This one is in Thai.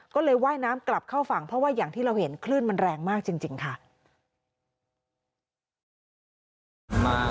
ก็เลยว่ายน้ำกลับเข้าฝั่งเพราะว่าอย่างที่เราเห็นคลื่นมันแรงมากจริงค่ะ